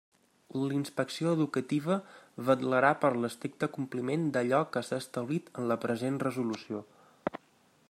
La Inspecció Educativa vetlarà per l'estricte compliment d'allò que s'ha establit en la present resolució.